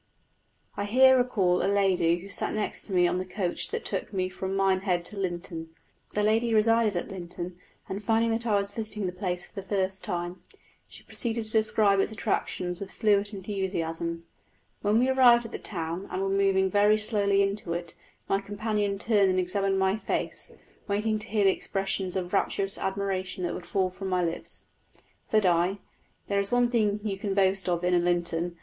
I here recall a lady who sat next to me on the coach that took me from Minehead to Lynton. The lady resided at Lynton, and finding that I was visiting the place for the first time, she proceeded to describe its attractions with fluent enthusiasm. When we arrived at the town, and were moving very slowly into it, my companion turned and examined my face, waiting to hear the expressions of rapturous admiration that would fall from my lips. Said I, "There is one thing you can boast of in Lynton.